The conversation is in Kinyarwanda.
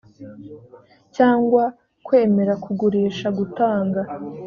cyangwa kwemera kugurisha gutanga